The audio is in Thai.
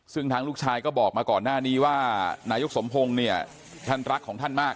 ซึ่งทางลูกชายก็บอกมาก่อนหน้านี้ว่านายกสมพงศ์เนี่ยท่านรักของท่านมาก